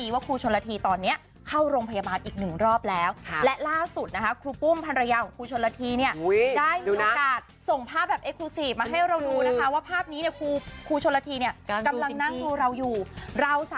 ว่าครูชนลทรีเนี่ยกำลังนั่งทววเราอยู่เรา